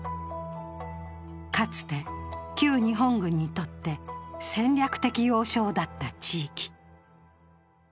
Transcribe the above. かつて旧日本軍にとって戦略的要衝だった地域。